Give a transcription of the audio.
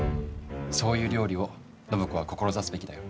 そういう料理を暢子は志すべきだよ。